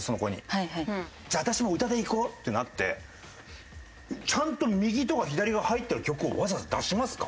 じゃあ私も歌でいこうってなってちゃんと「右」とか「左」が入ってる曲をわざわざ出しますか？